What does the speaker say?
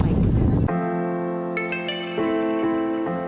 sudah sudah sudah tidak hujan lagi